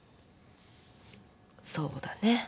そうだね。